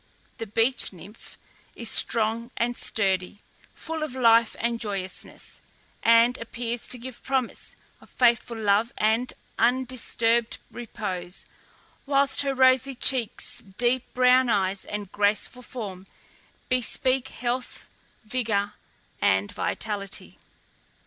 The BEECH NYMPH is strong and sturdy, full of life and joyousness, and appears to give promise of faithful love and undisturbed repose, whilst her rosy cheeks, deep brown eyes, and graceful form bespeak health, vigour, and vitality.